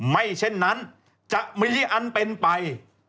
ไม่เช่นนั้นจะมีอันเป็นไป